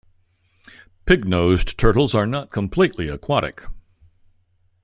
Pig-nosed turtles are not completely aquatic.